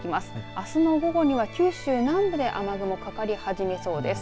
あすの午後には九州南部で雨雲かかり始めそうです。